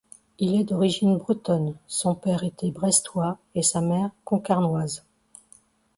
Il est d'origine bretonne, son père était brestois et sa mère concarnoise.